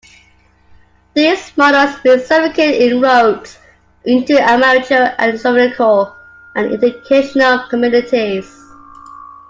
These models made significant inroads into the amateur astronomical and educational communities.